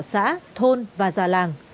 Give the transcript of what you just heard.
lãnh đạo xã thôn và già làng